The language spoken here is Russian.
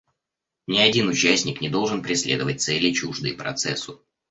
Ни один участник не должен преследовать цели, чуждые Процессу.